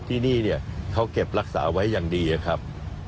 ที่นี่เนี่ยเขาเก็บรักษาไว้อย่างดีนะครับ